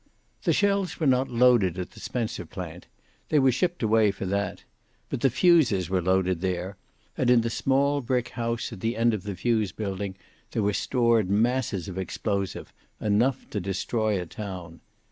The shells were not loaded at the Spencer plant. They were shipped away for that. But the fuses were loaded there, and in the small brick house at the end of the fuse building there were stored masses of explosive, enough to destroy a town.